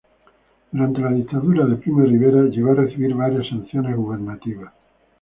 Durante la Dictadura de Primo de Rivera llegó a recibir varias sanciones gubernativas.